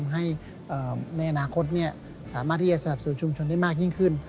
ให้ในอนาคตสามารถที่จะสนับสนุนชุมชนได้มากยิ่งขึ้น